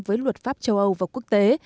với luật pháp châu âu và quốc tế